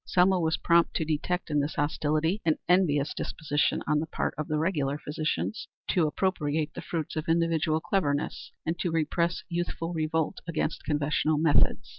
Selma was prompt to detect in this hostility an envious disposition on the part of the regular physicians to appropriate the fruits of individual cleverness and to repress youthful revolt against conventional methods.